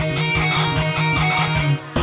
ขอบคุณครับ